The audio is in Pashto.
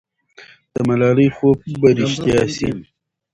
د ملالۍ خوب به رښتیا سي.